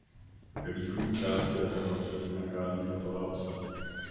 Ve východní části rezervace se nachází chatová osada.